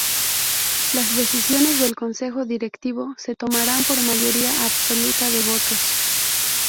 Las decisiones del Consejo Directivo se tomarán por mayoría absoluta de votos.